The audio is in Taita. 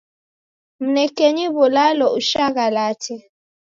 Mnekenyi w'ulalo ushaghalate.